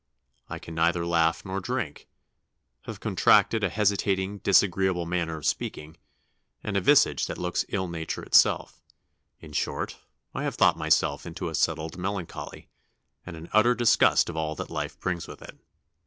I can neither laugh nor drink, have contracted a hesitating disagreeable manner of speaking, and a visage that looks ill nature itself; in short, I have thought myself into a settled melancholy, and an utter disgust of all that life brings with it."